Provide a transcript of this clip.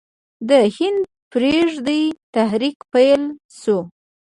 د هند پریږدئ تحریک پیل شو.